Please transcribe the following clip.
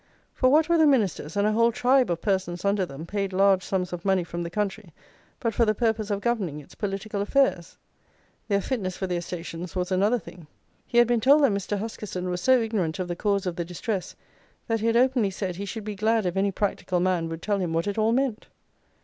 For what were the ministers, and a whole tribe of persons under them, paid large sums of money from the country but for the purpose of governing its political affairs. Their fitness for their stations was another thing. He had been told that Mr. Huskisson was so ignorant of the cause of the distress, that he had openly said, he should be glad if any practical man would tell him what it all meant.